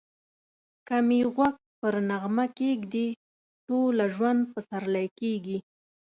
که می غوږ پر نغمه کښېږدې ټوله ژوند پسرلی کېږی